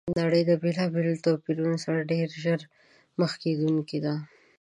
نړۍ د بېلابېلو توپیرونو سره ډېر ژر مخ کېدونکي ده!